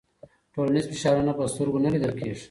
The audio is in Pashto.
ټولنیز فشارونه په سترګو نه لیدل کېږي.